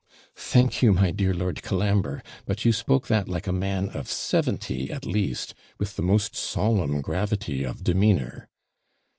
'Thank you, my dear Lord Colambre; but you spoke that like a man of seventy at least, with the most solemn gravity of demeanour.'